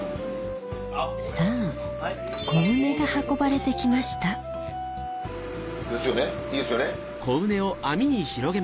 さぁこうねが運ばれてきましたですよねいいですよね。